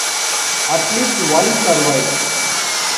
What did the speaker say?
At least one survives.